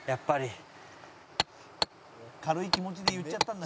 「軽い気持ちで言っちゃったんだ」